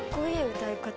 歌い方。